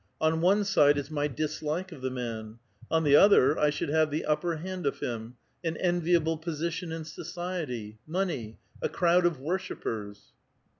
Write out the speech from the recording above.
On one side is my dislike of the man ; on the other, I should have the upper hand of him, an enviable position in society, money, a crowd of worshippers